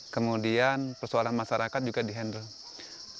kemudian persoalan masyarakat juga dikendalikan